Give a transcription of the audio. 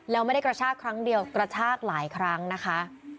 แล้วไม่ได้กระชากครั้งเดียวกระชากหลายครั้งนะคะ